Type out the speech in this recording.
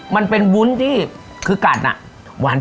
มันเป็นวุ้นที่คือกัดน่ะ